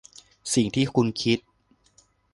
สิ่งที่คุณคิด